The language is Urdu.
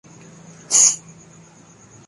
ایشیا کپ میں پاک بھارت مقابلوں میں کس کا پلڑا بھاری